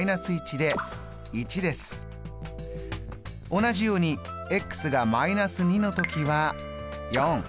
同じようにが−２の時は４。